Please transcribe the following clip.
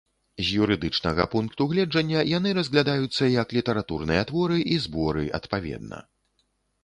З юрыдычнага пункту гледжання яны разглядаюцца як літаратурныя творы і зборы, адпаведна.